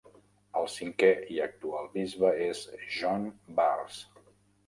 El cinquè i actual bisbe és John Barres.